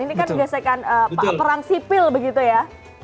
ini kan gesekan perang sipil begitu ya